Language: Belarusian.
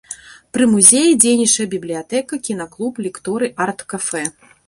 Пры музеі дзейнічае бібліятэка, кінаклуб, лекторый, арт-кафэ.